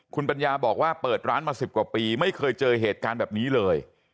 คุณปัญญาบอกว่าเปิดร้านมา๑๐กว่าปีไม่เคยเจอเหตุการณ์แบบนี้เลย